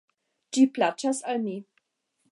Ĝi plaĉas al mi.